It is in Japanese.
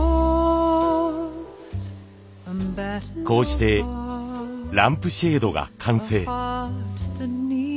こうしてランプシェードが完成。